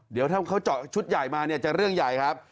เดี๋ยวถ้าเขาเจาะชุดใหญ่มาเนี่ยจะเรื่องใหญ่ครับ